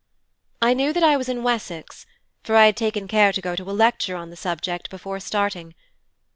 'I knew that I was in Wessex, for I had taken care to go to a lecture on the subject before starting.